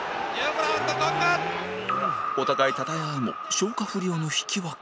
お互いたたえ合うも消化不良の引き分け